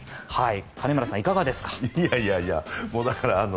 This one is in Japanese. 金村さん、いかがですか。